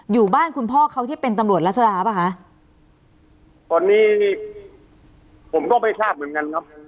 อยู่บ้านคุณพ่อเขาที่เป็นตำรวจรัศดาป่ะคะตอนนี้ผมก็ไม่ทราบเหมือนกันครับ